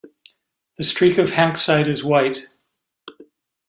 The streak of Hanksite is white.